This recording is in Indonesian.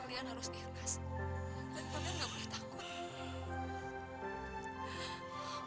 kalian harus ikhlas kalian gak boleh takut